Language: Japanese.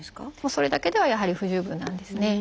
それだけではやはり不十分なんですね。